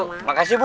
terima kasih bu